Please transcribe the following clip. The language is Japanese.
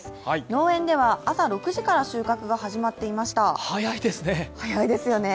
農園では朝６時から収穫が始まっていました早いですよね。